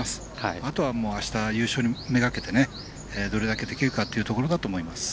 あとは、あした優勝目がけてどれだけできるかというところだと思います。